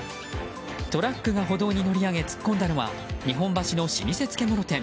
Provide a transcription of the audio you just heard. トラックが歩道に乗り上げ突っ込んだのは日本橋の老舗漬物店。